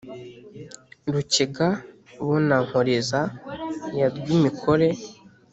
rukiga bo na nkoreza ya rwimikore,